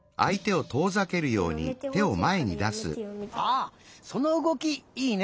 あっそのうごきいいね。